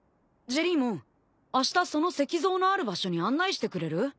ジェリーモンあしたその石像のある場所に案内してくれる？